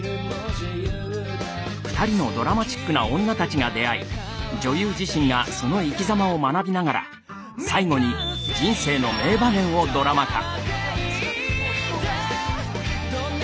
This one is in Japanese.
２人のドラマチックなオンナたちが出会い女優自身がその生きざまを学びながら最後に全く新しいドキュメンタリードラマ番組。